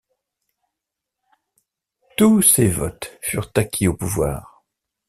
Tous ses votes furent acquis au pouvoir.